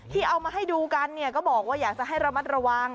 ที่เอามาให้ดูกันเนี่ยก็บอกว่าอยากจะให้ระมัดระวัง